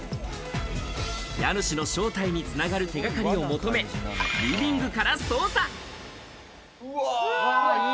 家主の正体に繋がる手掛かりを求め、リビングから捜査。